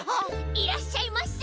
いらっしゃいませ。